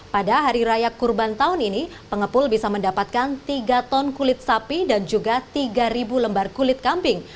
pada hari raya kurban tahun ini pengepul bisa mendapatkan tiga ton kulit sapi dan juga tiga lembar kulit kambing